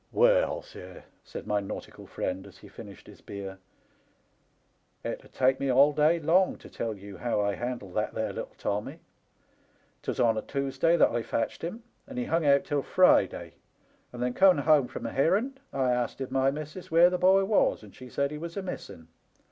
" Well, sir," said my nautical friend, as he finished his beer, " it 'ud take me all day long to tell you how I handled that there little Tommy. 'Twas on a Toosday that I fetched him, and he hung out till Friday, and then coming home from a herrand I asted my missis where the boy was, and she said he was a missing.